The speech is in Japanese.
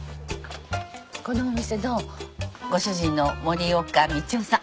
このお店のご主人の森岡道夫さん。